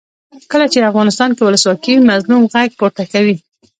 کله چې افغانستان کې ولسواکي وي مظلوم غږ پورته کوي.